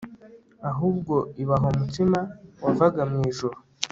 ahubwo ibaha umutsima wavaga mu ijuru